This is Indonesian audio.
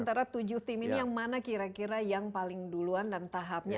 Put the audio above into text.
antara tujuh tim ini yang mana kira kira yang paling duluan dan tahapnya